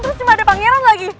terus cuma ada pangeran lagi